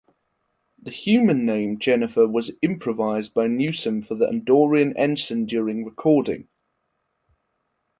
The human name Jennifer was improvised by Newsome for the Andorian ensign during recording.